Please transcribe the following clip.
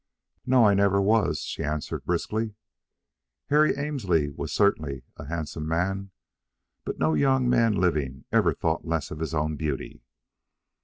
"No, I never was," she answered, briskly. Harry Annesley was certainly a handsome man, but no young man living ever thought less of his own beauty.